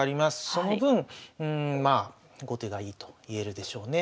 その分後手がいいといえるでしょうね。